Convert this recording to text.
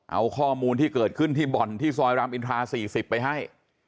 เอาข้อมูลที่เกิดขึ้นที่บ่อนที่ซอยรามอินทรา๔๐ไปให้